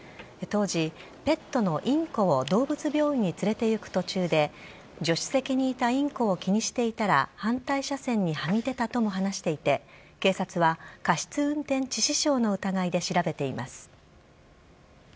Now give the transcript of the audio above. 当時、ペットのインコを動物病院に連れていく途中で、助手席にいたインコを気にしていたら、反対車線にはみ出たとも話していて、警察は過失運転致死傷の疑いで調べています。